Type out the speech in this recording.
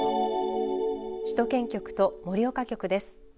首都圏局と盛岡局です。